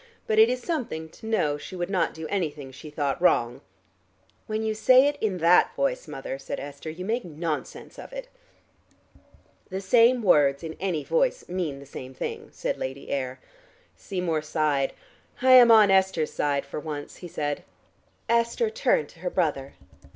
"But it is something to know she would not do anything she thought wrong." "When you say it in that voice, Mother," said Esther, "you make nonsense of it." "The same words in any voice mean the same thing," said Lady Ayr. Seymour sighed. "I am on Esther's side for once," he said. Esther turned to her brother.